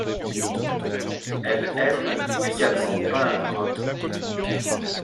Elle aime également peindre.